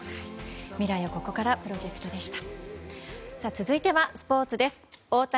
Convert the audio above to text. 未来をここからプロジェクトでした。